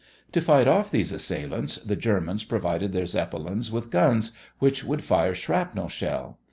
To fight off these assailants the Germans provided their Zeppelins with guns which would fire shrapnel shell.